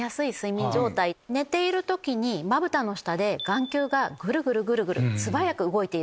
寝ている時にまぶたの下で眼球がぐるぐるぐるぐる素早く動いている。